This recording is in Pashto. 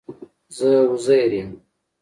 زه عزير يم